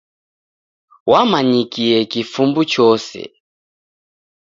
W'amanyikie kifumbu chose.